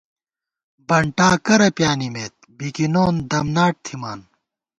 بنٹا کرہ پیانِمېت ، بِکِنون دمناٹ تھِمان